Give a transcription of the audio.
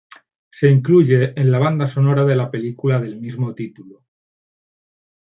Se incluye en la banda sonora de la película del mismo título.